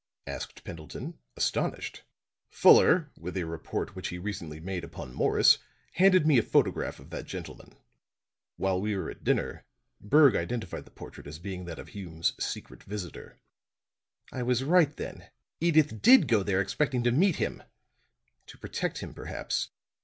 asked Pendleton, astonished. "Fuller, with a report which he recently made upon Morris, handed me a photograph of that gentleman. While we were at dinner, Berg identified the portrait as being that of Hume's secret visitor." "I was right, then. Edyth did go there expecting to meet him to protect him, perhaps.